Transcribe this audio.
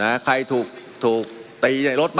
มันมีมาต่อเนื่องมีเหตุการณ์ที่ไม่เคยเกิดขึ้น